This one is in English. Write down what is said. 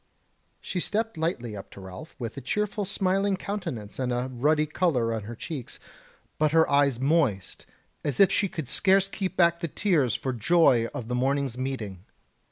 She stepped lightly up to Ralph with a cheerful smiling countenance and a ruddy colour in her cheeks, but her eyes moist as if she could scarce keep back the tears for joy of the morning's meeting.